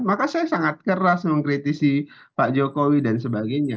maka saya sangat keras mengkritisi pak jokowi dan sebagainya